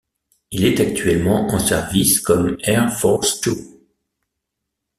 Il est actuellement en service comme Air Force Two.